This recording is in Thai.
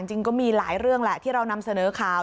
จริงก็มีหลายเรื่องแหละที่เรานำเสนอข่าว